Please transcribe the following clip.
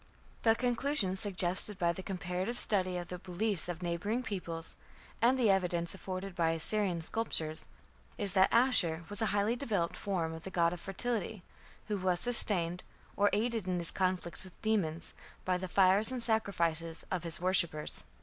The conclusion suggested by the comparative study of the beliefs of neighbouring peoples, and the evidence afforded by Assyrian sculptures, is that Ashur was a highly developed form of the god of fertility, who was sustained, or aided in his conflicts with demons, by the fires and sacrifices of his worshippers.